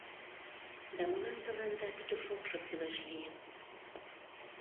Да молан тыланда Петушокшо кӱлеш лийын?